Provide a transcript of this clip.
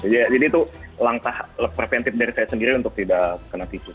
jadi itu langkah preventif dari saya sendiri untuk tidak kena tikus